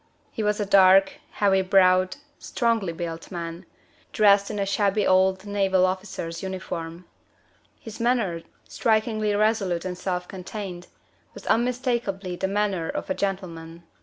He was a dark, heavy browed, strongly built man, dressed in a shabby old naval officer's uniform. His manner strikingly resolute and self contained was unmistakably the manner of a gentleman.